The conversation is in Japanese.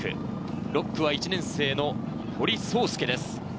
６区は１年生の堀颯介です。